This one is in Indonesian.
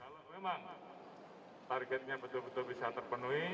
kalau memang targetnya betul betul bisa terpenuhi